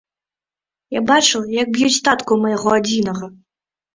Я бачыла, як б'юць татку майго адзінага.